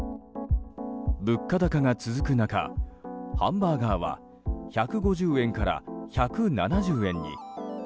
物価高が続く中ハンバーガーは１５０円から１７０円に。